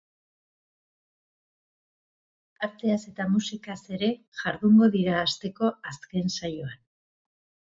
Arteaz eta musikaz ere jardungo dira asteko azken saioan.